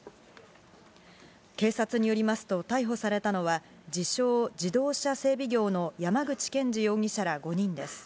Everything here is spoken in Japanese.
警察によりますと逮捕されたのは自称・自動車整備業の山口健司容疑者ら５人です。